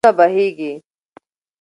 سيندونه بهيږي